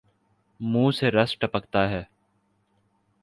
منہ سے رس ٹپکتا ہے